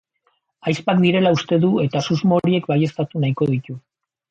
Ahizpak direla uste du eta susmo horiek baieztatu nahiko ditu.